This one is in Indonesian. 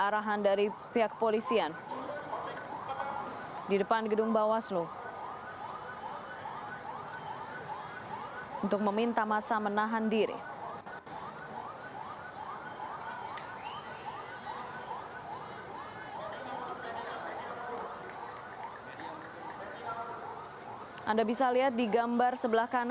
ya anda lihat baru saja di gambar sebelah kiri